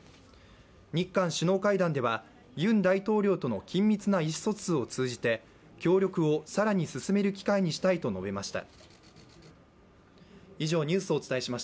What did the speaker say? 日韓首脳会談ではユン大統領との緊密な意思疎通を通じて協力を更に進める機会にしたいと述べました。